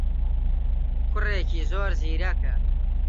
کوڕێکی زۆر زیرەکە.